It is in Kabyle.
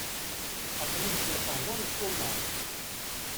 Aql-i deg lqahwa n Ṣumam.